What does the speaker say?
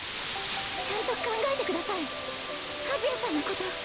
ちゃんと考えてください和也さんのこと。